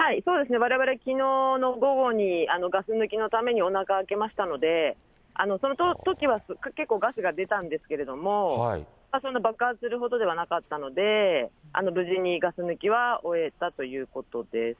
われわれきのうの午後にガス抜きのためにおなか開けましたので、そのときは結構ガスが出たんですけれども、そんな爆発するほどではなかったので、無事にガス抜きは終えたということです。